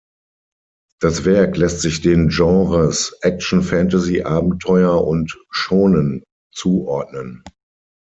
Das Werk lässt sich den Genres Action, Fantasy, Abenteuer und Shōnen zuordnen.